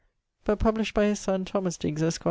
but published by his sonne Thomas Digges esqr.